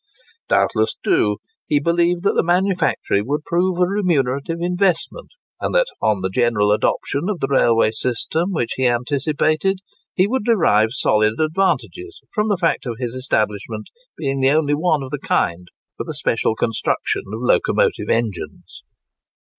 Doubtless, too, he believed that the manufactory would prove a remunerative investment, and that, on the general adoption of the railway system which he anticipated, he would derive solid advantages from the fact of his establishment being the only one of the kind for the special construction of locomotive engines.